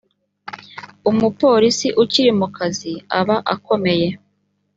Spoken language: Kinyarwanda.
umupolisi ukiri mu kazi aba akomeye